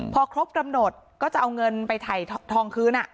พอครบกำหนดก็จะเอาเงินไปถ่ายทองคืน